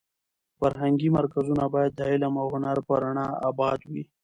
فرهنګي مرکزونه باید د علم او هنر په رڼا اباد وي.